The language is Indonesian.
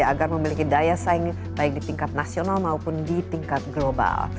agar memiliki daya saing baik di tingkat nasional maupun di tingkat global